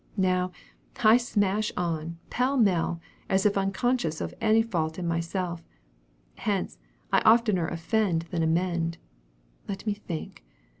Now, I smash on, pell mell, as if unconscious of a fault in myself. Hence, I oftener offend than amend. Let me think.